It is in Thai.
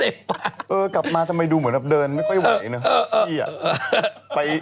เออกลับมาทำไมดูเหมือนเดินไม่ค่อยไหว